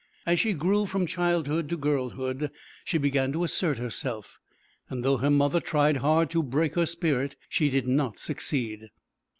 As she grew from childhood to girlhood she began to assert herself, and though her mother tried hard to break her spirit she did not succeed.